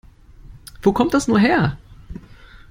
Wo kommt das nur her?